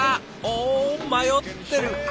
お迷ってる。